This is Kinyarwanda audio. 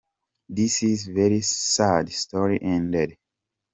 This is a very sad story indeed.